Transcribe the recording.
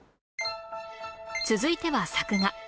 続いては作画